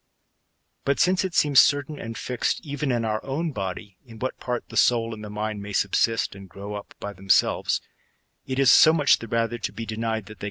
But since it seems certain and fixed even in our own body, in what part the soul and the mind may subsist and grow up by themselves, it is so much the rather to be denied that they can * As a tree cannot exist in the sky, ^c.